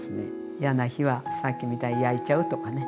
イヤな日はさっきみたいに焼いちゃうとかね。